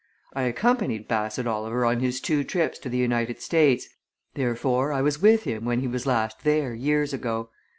I accompanied Bassett Oliver on his two trips to the United States therefore, I was with him when he was last there, years ago.